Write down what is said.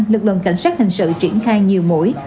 lực lượng cảnh sát hình sự triển khai nhiều mũi